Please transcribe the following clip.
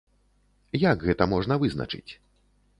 Як гэта можна вызначыць?